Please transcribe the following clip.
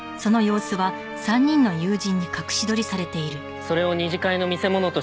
それを２次会の見せ物として流したんです。